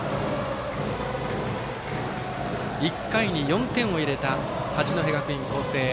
１回に４点を入れた八戸学院光星。